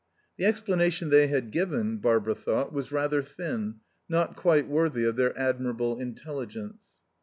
The explanation they had given, Barbara thought, was rather thin, not quite worthy of their admirable intelligence.